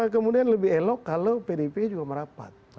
kemudian lebih elok kalau pdip juga merapat